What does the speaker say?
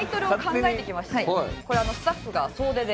これスタッフが総出で。